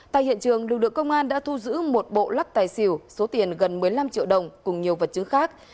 tại hiện trường lực lượng công an đã thu giữ một bộ lắc tài xỉu số tiền gần một mươi năm triệu đồng cùng nhiều vật chứng khác